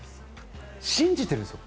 信じてるんですよ